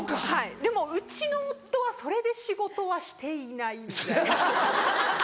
はいでもうちの夫はそれで仕事はしていない。